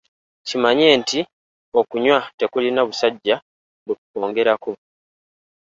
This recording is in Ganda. Kimanye nti okunywa tekulina "busajja" bwe kukwongerako.